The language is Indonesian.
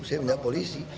saya pindah ke polisi